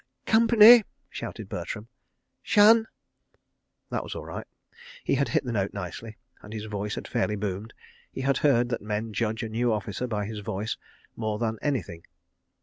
"Company!" shouted Bertram, "Shun!" That was all right. He had hit the note nicely, and his voice had fairly boomed. He had heard that men judge a new officer by his voice, more than anything.